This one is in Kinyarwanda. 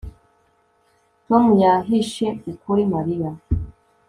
Tom yahishe ukuri Mariya